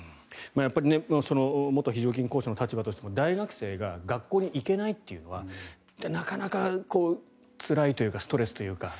やっぱり元非常勤講師の立場としても大学生が学校に行けないというのはなかなかつらいというかストレスというか。